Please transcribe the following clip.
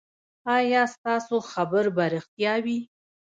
ایا ستاسو خبر به ریښتیا وي؟